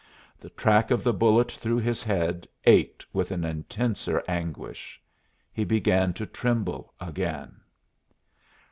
The track of the bullet through his head ached with an intenser anguish. He began to tremble again.